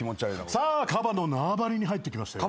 さあカバの縄張りに入ってきましたよ。